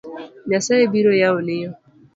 Nyasaye biro yawoni yo